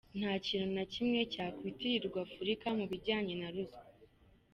Nta kintu na kimwe cyakwitirirwa Afurika mu bijyanye na ruswa.